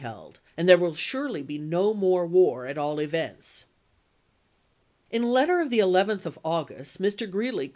held, and there will surely be no more war at all events. ms. In a letter of the 11th of August, Mr. Greeley laa.